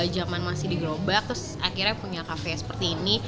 jaman masih di grobak terus akhirnya punya cafe seperti ini